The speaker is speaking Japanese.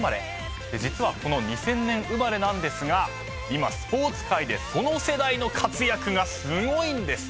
実はこの２０００年生まれなんですが今スポーツ界でこの世代の活躍がすごいんです。